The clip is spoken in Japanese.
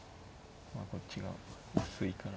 まあこっちが薄いから。